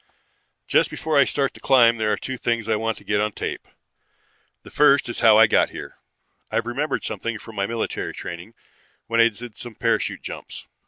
"Just before I start the climb there are two things I want to get on tape. The first is how I got here. I've remembered something from my military training, when I did some parachute jumps.